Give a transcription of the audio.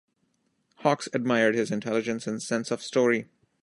Hawks admired his intelligence and sense of story.